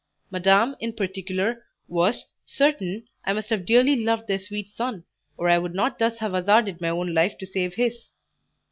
Madame, in particular, was "certain I must have dearly loved their sweet son, or I would not thus have hazarded my own life to save his."